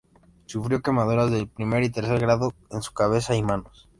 Sufrió quemaduras de primer y tercer grado en su cabeza y manos.